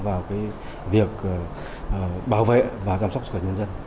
vào cái việc bảo vệ và giám sốc của nhân dân